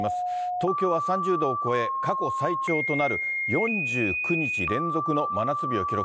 東京は３０度を超え、過去最長となる４９日連続の真夏日を記録。